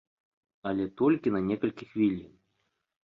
Але толькі на некалькі хвілін.